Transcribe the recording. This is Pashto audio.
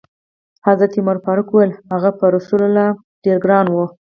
حضرت عمر فاروق وویل: هغه پر رسول الله ډېر ګران و.